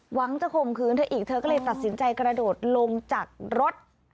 หวังจะข่มขืนเธออีกเธอก็เลยตัดสินใจกระโดดลงจากรถ